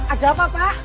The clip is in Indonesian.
ada apa pak